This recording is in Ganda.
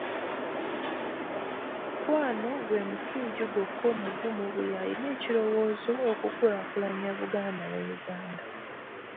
Omukwano gwe musingi gwokka omugumu buli alina ekirowoozo okukulaakulanya Buganda ne Uganda.